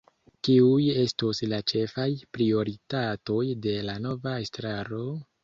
Kiuj estos la ĉefaj prioritatoj de la nova estraro?